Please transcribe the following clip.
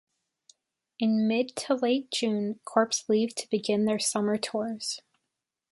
In mid to late June, corps leave to begin their summer tours.